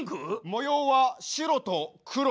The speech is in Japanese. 模様は白と黒。